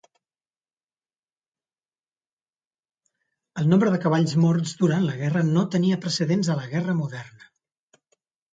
El nombre de cavalls morts durant la guerra no tenia precedents a la guerra moderna.